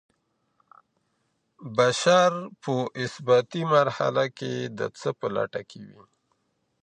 بشر په اثباتي مرحله کي د څه په لټه کي وي؟